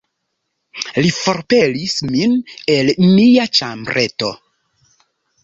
Li forpelis min el mia ĉambreto...